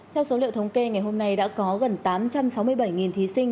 theo số liệu thống kê ngày hôm nay đã có gần tám trăm sáu mươi bảy thí sinh